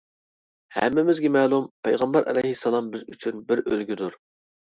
ھەممىمىزگە مەلۇم پەيغەمبەر ئەلەيھىسسالام بىز ئۈچۈن بىر ئۈلگىدۇر.